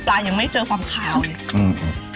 ปลาคังผัดพริกขี้หนูส่วน